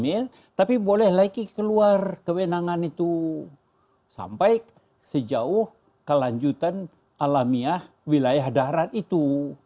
mil tapi boleh lagi keluar kewenangan itu sampai sejauh kelanjutan alamiah wilayah darat itu